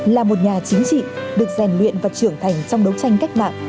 là một nhà chính trị được rèn luyện và trưởng thành trong đấu tranh cách mạng